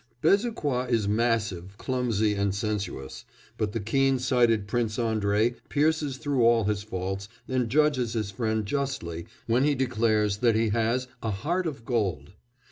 Bezukhoi is massive, clumsy, and sensuous, but the keen sighted Prince Andrei pierces through all his faults and judges his friend justly when he declares that he has "a heart of gold."